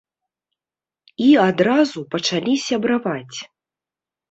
І адразу пачалі сябраваць.